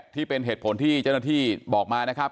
ที่เป็นเหตุผลที่เจ้าหน้าที่บอกมานะครับ